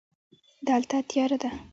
دلته تیاره ده.